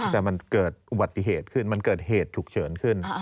แต่มันเกิดอุบัติเหตุขึ้นมันเกิดเหตุฉุกเฉินขึ้น